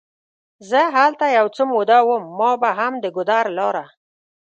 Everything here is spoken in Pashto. زه هلته یو څه موده وم، ما به هم د ګودر لاره.